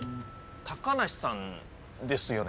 高梨さんですよね？